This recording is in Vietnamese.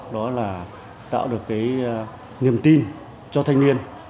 đó là tạo được niềm tin cho thanh niên